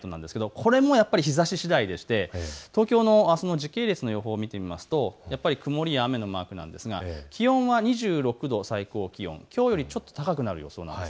これもやっぱり日ざししだいでして東京のあすの時系列の予報見ていきますとやっぱり曇りや雨のマークですが、気温が２６度最高気温きょうよりちょっと高くなる予想です。